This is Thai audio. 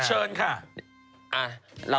เชิญค่ะ